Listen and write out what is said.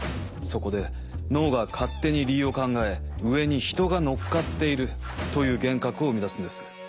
そこで脳が勝手に理由を考え上に人が乗っかっているという幻覚を生み出すんです。